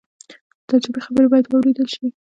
د تجربې خبرې باید واورېدل شي.